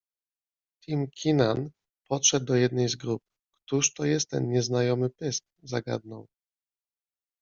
Tim Keenan podszedł do jednej z grup. - Któż to jest ten nieznajomy pysk? - zagadnął